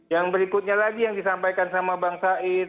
yang berikutnya lagi yang disampaikan sama bang said